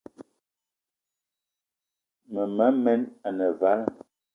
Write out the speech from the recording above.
Mema men ane vala,